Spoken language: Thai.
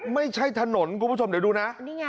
ไม่ใช่ถนนคุณผู้ชมเดี๋ยวดูนะ